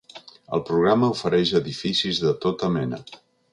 El programa ofereix edificis de tota mena.